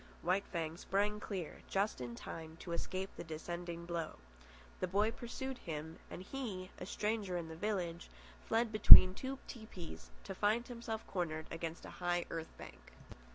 White Fang sprang clear, just in time to escape the descending blow. The boy pursued him, and he, a stranger in the village, fled between two tepees to find himself cornered against a high earth bank.